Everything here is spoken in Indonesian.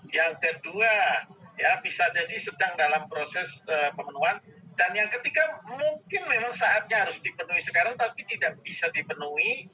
yang kedua bisa jadi sedang dalam proses pemenuhan dan yang ketiga mungkin memang saatnya harus dipenuhi sekarang tapi tidak bisa dipenuhi